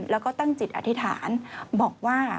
แล้วก็ตั้งจิตอธิษฐานบอกว่า